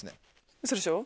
ウソでしょ。